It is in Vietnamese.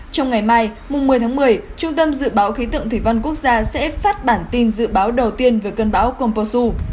trong ngày mai một mươi tháng một mươi trung tâm dự báo khí tượng thủy văn quốc gia sẽ phát bản tin dự báo đầu tiên về cơn bão composu